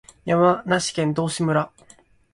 山梨県道志村